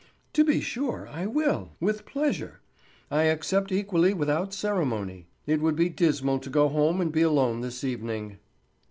"To be sure I will, with pleasure; I accept equally without ceremony. It would be dismal to go home and be alone this evening."